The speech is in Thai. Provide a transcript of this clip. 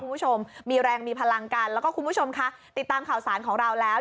คุณผู้ชมมีแรงมีพลังกันแล้วก็คุณผู้ชมคะติดตามข่าวสารของเราแล้ว